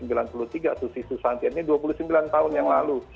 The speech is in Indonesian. ini dua puluh sembilan tahun yang lalu